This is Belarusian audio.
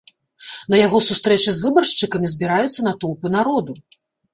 На яго сустрэчы з выбаршчыкамі збіраюцца натоўпы народу.